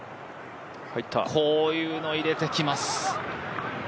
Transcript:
こういうの入れてきます。